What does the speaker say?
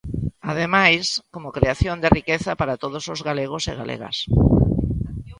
Ademais, como creación de riqueza para todos os galegos e galegas.